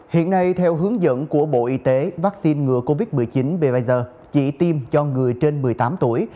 hiện nay theo hướng dẫn của bộ y tế vaccine ngừa covid một mươi chín bvers chỉ tiêm cho người trên một mươi tám tuổi